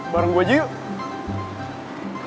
bareng gue aja yuk